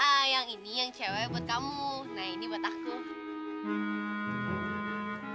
ah yang ini yang cewek buat kamu nah ini buat aku